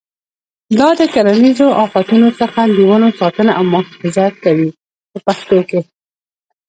دا د کرنیزو آفتونو څخه د ونو ساتنه او محافظت کوي په پښتو کې.